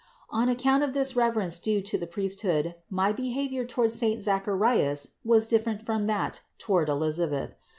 301. On account of this reverence due to the priest hood my behavior toward saint Zacharias was different from that toward Elisabeth.